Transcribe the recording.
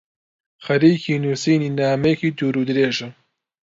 خەریکی نووسینی نامەیەکی دوورودرێژە.